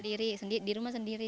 di rumah sendiri